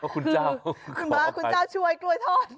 คุณบาคุณเจ้าช่วยกลัวยทอด